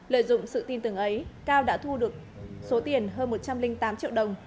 lợi dụng sự tin tưởng ấy cao đã thu được số tiền hơn một trăm linh tám triệu đồng